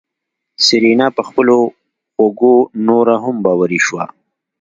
سېرېنا په خپلو غوږو نوره هم باوري شوه.